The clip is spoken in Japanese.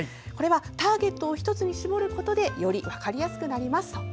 ターゲットを１つに絞ることでより分かりやすくなります。